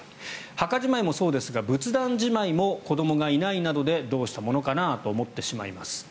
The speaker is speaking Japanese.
墓じまいもそうですが仏壇じまいも子どもがいないなどでどうしたものかなと思ってしまいます。